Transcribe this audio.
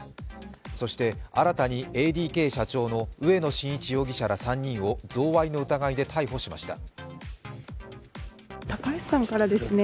そして新たにＡＤＫ社長の植野伸一容疑者ら３人を贈賄の疑いで逮捕しました。